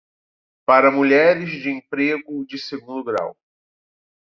Para mulheres de emprego de segundo grau